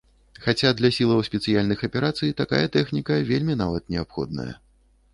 Хаця для сілаў спецыяльных аперацый такая тэхніка вельмі нават неабходная.